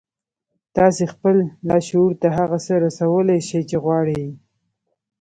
تاسې خپل لاشعور ته هغه څه رسولای شئ چې غواړئ يې.